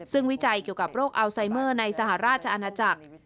ซึ่งวิจัยเกี่ยวกับโรคอัลไซเมอร์ในสหราชอาณาจักร